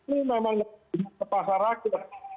ini memang ke pasar rakyat